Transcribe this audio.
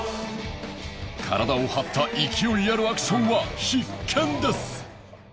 体を張った勢いあるアクションは必見です！